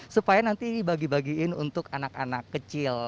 supaya nanti dibagi bagiin untuk anak anak kecil